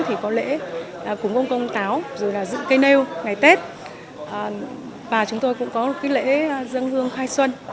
thì có lễ cúng ông công ông táo rồi là dựng cây neo ngày tết và chúng tôi cũng có lễ dân hương thai xuân